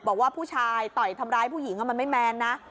บอกว่าผู้ชายต่อยทำร้ายผู้หญิงมันไม่แมนนะ